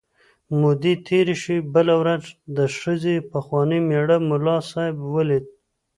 مودې تېرې شوې، بله ورځ د ښځې پخواني مېړه ملا صاحب ولید.